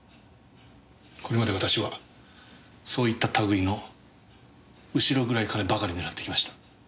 これまで私はそういった類の後ろ暗い金ばかり狙ってきました。